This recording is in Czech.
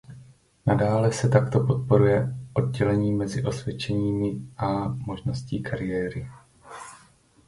Nadále se takto podporuje oddělení mezi osvědčeními a možností kariéry.